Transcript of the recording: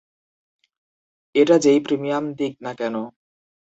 এটা যে-ই প্রিমিয়াম দিক না কেন।